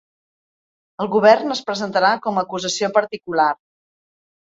El govern es presentarà com a acusació particular.